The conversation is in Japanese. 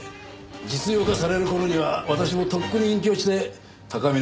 実用化される頃には私はとっくに隠居して高みの見物だよ。